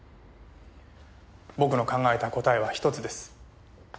僕の考えた答えは一つです。